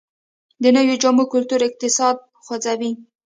د نویو جامو کلتور اقتصاد خوځوي